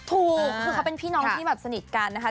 ถูกคือเขาเป็นพี่น้องที่แบบสนิทกันนะคะ